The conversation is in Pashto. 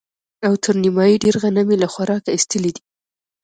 او تر نيمايي ډېر غنم يې له خوراکه ايستلي دي.